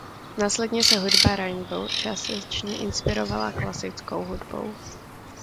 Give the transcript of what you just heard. Následně se hudba Rainbow částečně inspirovala klasickou hudbou.